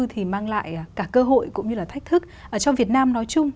thì mang lại cả cơ hội cũng như là thách thức cho việt nam nói chung